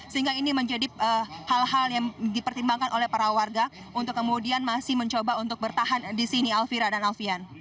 sehingga ini menjadi hal hal yang dipertimbangkan oleh para warga untuk kemudian masih mencoba untuk bertahan di sini alfira dan alfian